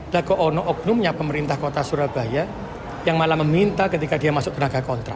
dago ono oknumnya pemerintah kota surabaya yang malah meminta ketika dia masuk tenaga kontrak